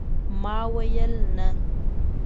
ما ويل ، نه !